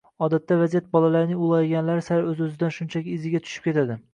Odatda vaziyat bolalarning ulg‘ayganlari sari o‘z-o‘zidan shunchaki iziga tushib ketadi.